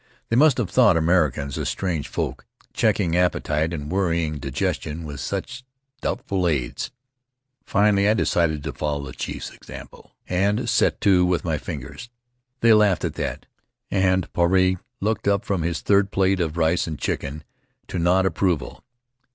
They must have thought Americans a strange folk, checking appetite and worrying digestion with such doubtful aids. Finally I decided to follow the chief's example and set to with my fingers. They laughed at that, and Puarei looked up from his third plate of rice and chicken to nod approval.